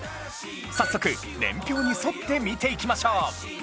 早速年表に沿って見ていきましょう